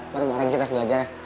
mereka kita belajar ya